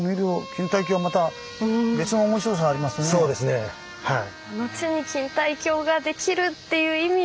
そうですねはい。